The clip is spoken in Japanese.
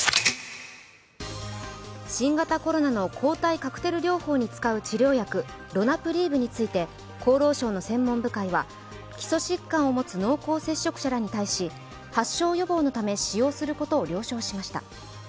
新型コロナの抗体カクテル療法に使う治療薬、ロナプリーブについて厚労省の専門部会は基礎疾患を持つ濃厚接触者らに対し、発症予防のため使用することを了承しました。